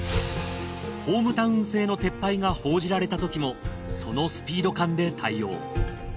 ホームタウン制の撤廃が報じられたときもそのスピード感で対応